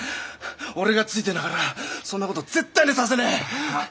俺がついていながらそんな事絶対にさせねえ！さあ。